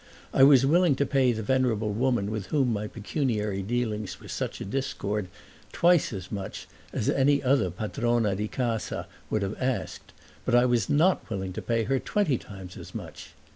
I was willing to pay the venerable woman with whom my pecuniary dealings were such a discord twice as much as any other padrona di casa would have asked, but I was not willing to pay her twenty times as much.